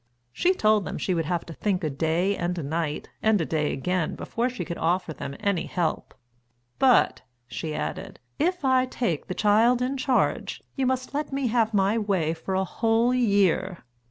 She told them she would have to think a day and a night and a day again before she could offer them any help. "But," added she, "if I take the child in charge, you must let me have my way for a whole year."